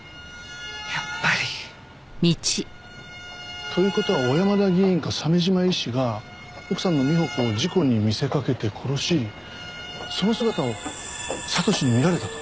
やっぱり。という事は小山田議員か鮫島医師が奥さんの美穂子を事故に見せかけて殺しその姿を悟史に見られたと。